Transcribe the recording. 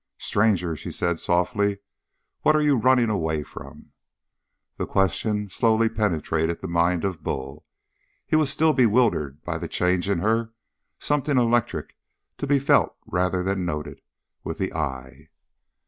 "Stranger," she said softly, "what are you running away from?" The question slowly penetrated the mind of Bull; he was still bewildered by the change in her something electric, to be felt rather than noted with the eye.